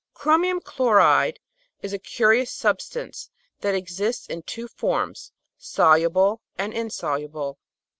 Chromic chloride is a curious substance that exists in two forms, soluble and insoluble.